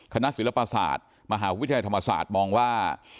ศิลปศาสตร์มหาวิทยาลัยธรรมศาสตร์มองว่า